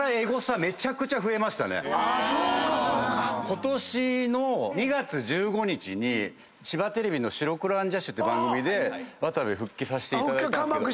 ことしの２月１５日に千葉テレビの『白黒アンジャッシュ』って番組で渡部復帰させていただいたんですけど。